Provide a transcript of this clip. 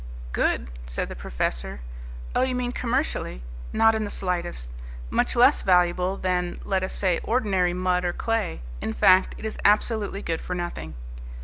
"Good?" said the professor. "Oh, you mean commercially? Not in the slightest. Much less valuable than, let us say, ordinary mud or clay. In fact, it is absolutely good for nothing."